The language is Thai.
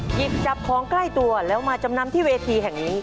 หยิบจับของใกล้ตัวแล้วมาจำนำที่เวทีแห่งนี้